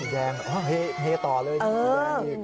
เฮ่ต่อเลยที่นี่แหลกอีก